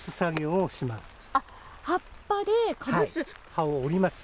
葉を折ります。